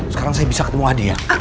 sekarang saya bisa ketemu adi ya